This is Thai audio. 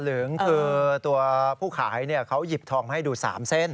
เหลืองคือตัวผู้ขายเขาหยิบทองมาให้ดู๓เส้น